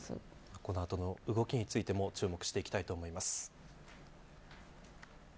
この後の動きについても注目していきたいと思います。